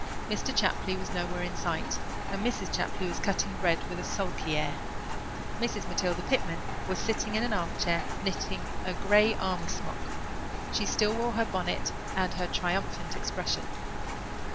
Mr. Chapley was nowhere in sight and Mrs. Chapley was cutting bread with a sulky air. Mrs. Matilda Pitman was sitting in an armchair, knitting a grey army sock. She still wore her bonnet and her triumphant expression.